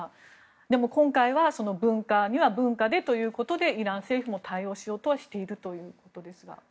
でも今回は文化には文化でということでイラン政府も対応しようとはしているということですが。